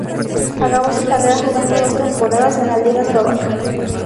Acabó su carrera jugando dos temporadas en la liga eslovaca.